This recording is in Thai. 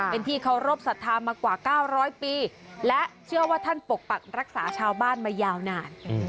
เป็นที่เคารพสัทธามากว่า๙๐๐ปีและเชื่อว่าท่านปกปักรักษาชาวบ้านมายาวนาน